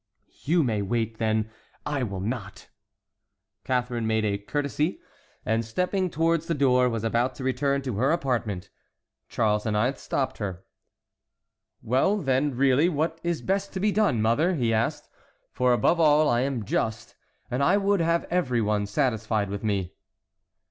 "You may wait, then; I will not." Catharine made a courtesy, and stepping towards the door, was about to return to her apartment. Charles IX. stopped her. "Well, then, really, what is best to be done, mother?" he asked, "for above all I am just, and I would have every one satisfied with me."